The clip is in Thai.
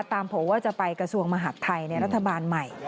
โผล่ว่าจะไปกระทรวงมหาดไทยในรัฐบาลใหม่